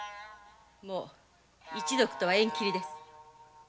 もう一族とは縁を切ります。